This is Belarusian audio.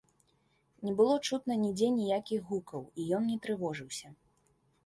Не было чутно нідзе ніякіх гукаў, і ён не трывожыўся.